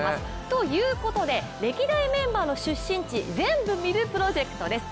ということで、歴代メンバーの出身地ぜんぶ見るプロジェクトです。